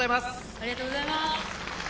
ありがとうございます。